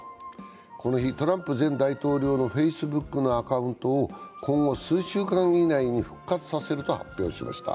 この日、トランプ前大統領のＦａｃｅｂｏｏｋのアカウントを今後数週間以内に復活させると発表ました。